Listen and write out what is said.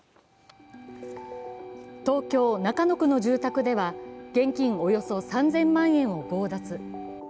東京・中野区の住宅では現金およそ３０００万円を強奪。